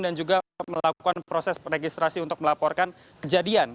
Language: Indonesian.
juga melakukan proses registrasi untuk melaporkan kejadian